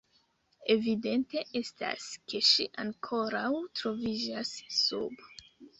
Evidente estas, ke ŝi ankoraŭ troviĝas sub.